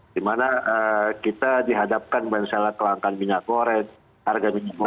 dimana kita dihadapkan misalnya kelangkan minyak goreng harga minyak goreng